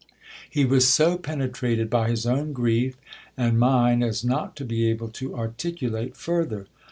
He was so pene trated by his own grief and mine as not to be able to articulate further.